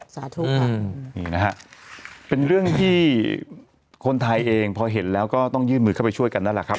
สาธุค่ะนี่นะฮะเป็นเรื่องที่คนไทยเองพอเห็นแล้วก็ต้องยื่นมือเข้าไปช่วยกันนั่นแหละครับ